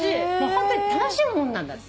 ホントに楽しむもんなんだって。